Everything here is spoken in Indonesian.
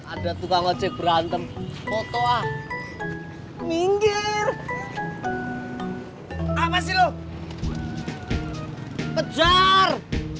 ada tukang ojek berantem foto ah minggir apa sih lu pejar